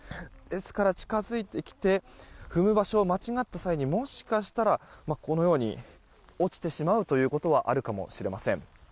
ですから、近づいてきて踏む場所を間違った際にもしかしたら落ちてしまうということはあるかもしれません。